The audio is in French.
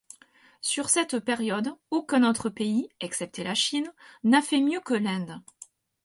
Sur cette période, aucun autre pays, excepté la Chine, n'a fait mieux que l'Inde.